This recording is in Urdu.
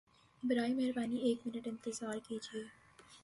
برائے مہربانی ایک منٹ انتظار کیجئیے!